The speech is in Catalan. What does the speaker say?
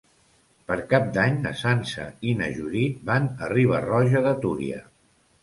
Per Cap d'Any na Sança i na Judit van a Riba-roja de Túria.